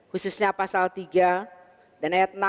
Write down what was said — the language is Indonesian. khususnya pasal tiga dan ayat enam